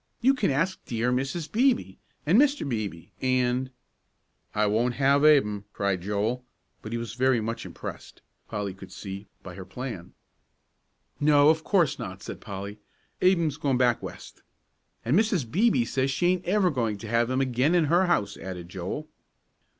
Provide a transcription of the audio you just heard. "You can ask dear Mrs. Beebe, and Mr. Beebe, and " "I won't have Ab'm," cried Joel; but he was very much impressed, Polly could see, by her plan. "No, of course not," said Polly. "Ab'm has gone back West." "And Mrs. Beebe says she ain't ever going to have him again at her house," added Joel.